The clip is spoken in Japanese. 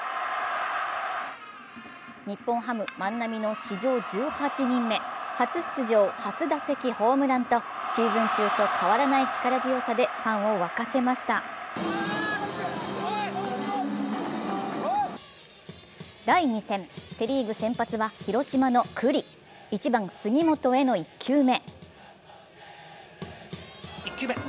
日本ハム・万波の史上１８人目、初出場初打席ホームランとシーズン中と変わらない力強さでファンを沸かせました第２戦、セ・リーグ先発は広島の九里１番・杉本への１球目。